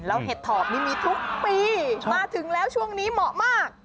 แล้วเห็ดถอบนี่มีทุกปีมาถึงแล้วช่วงนี้เหมาะมาก